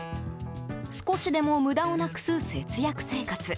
少しでも無駄をなくす節約生活。